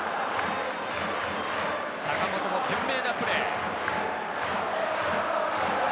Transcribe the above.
坂本の懸命なプレー。